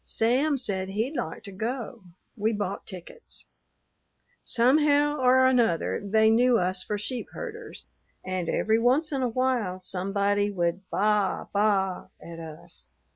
Sam said he'd like to go. We bought tickets. "Somehow or another they knew us for sheep herders, and every once in a while somebody would baa baa at us.